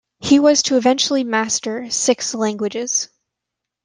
He was to eventually master six languages.